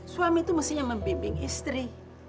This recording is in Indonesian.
suami itu mestinya membimbing istri